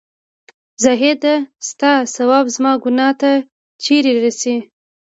زاهـده سـتـا ثـواب زمـا ګـنـاه تـه چېرته رسـي